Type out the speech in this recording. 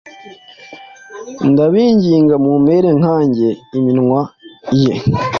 Ndabinginga, mumere nkanjye Iminwa ye